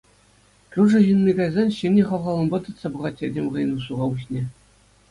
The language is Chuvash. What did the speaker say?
Кӳршӗ ҫынни кайсан ҫӗнӗ хавхаланупа тытса пӑхать этем хӑйӗн суха пуҫне.